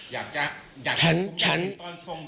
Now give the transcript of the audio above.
อยากจะอยากจะผมอยากสินตอนทรงจริง